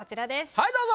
はいどうぞ。